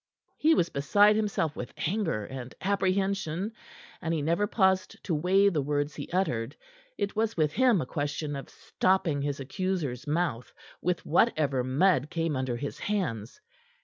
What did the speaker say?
He was beside himself with anger and apprehension, and he never paused to weigh the words he uttered. It was with him a question of stopping his accuser's mouth with whatever mud came under his hands.